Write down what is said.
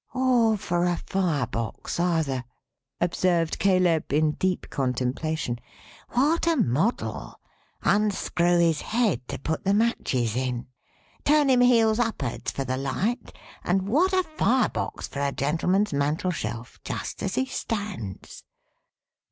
"Or for a firebox, either," observed Caleb, in deep contemplation, "what a model! Unscrew his head to put the matches in; turn him heels up'ards for the light; and what a firebox for a gentleman's mantel shelf, just as he stands!"